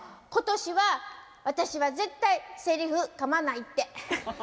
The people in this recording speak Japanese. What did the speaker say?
今年は私は絶対セリフかまないって。